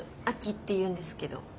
亜紀っていうんですけど。